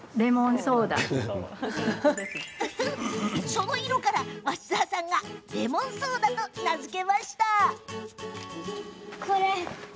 その色から鷲澤さんがレモンソーダと名付けました。